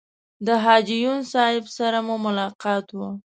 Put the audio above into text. د حاجي یون صاحب سره مو ملاقات و.